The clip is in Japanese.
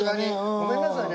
ごめんなさいね。